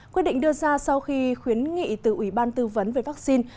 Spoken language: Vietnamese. quyết định đưa ra sau khi khuyến nghị từ ủy ban tư vấn về vaccine